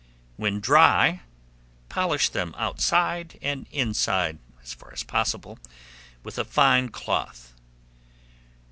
When dry, polish them outside and inside, as far as possible, with a fine cloth.